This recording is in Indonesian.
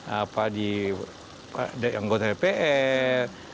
apa di anggota dpr